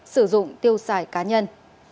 sử dụng tiêu xài cá nhân